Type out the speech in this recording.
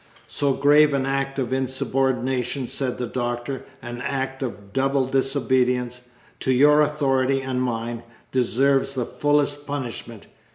"So grave an act of insubordination," said the Doctor, "an act of double disobedience to your authority and mine deserves the fullest punishment.